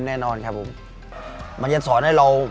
ังเป็นการทับตัวรับสนุกขึ้น